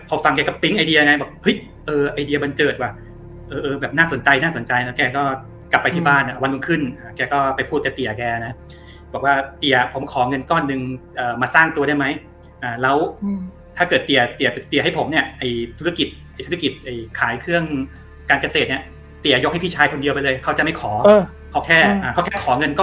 พอฟังแกกับปิ๊งไอเดียไงบอกเฮ้ยเออไอเดียบันเจิดว่ะเออเออแบบน่าสนใจน่าสนใจแล้วแกก็กลับไปที่บ้านอ่ะวันต้องขึ้นแกก็ไปพูดกับเตี๋ยแกนะบอกว่าเตี๋ยผมขอเงินก้อนหนึ่งอ่ามาสร้างตัวได้ไหมอ่าแล้วถ้าเกิดเตี๋ยเตี๋ยเตี๋ยให้ผมเนี้ยไอธุรกิจไอธุรกิจไอขายเครื่องก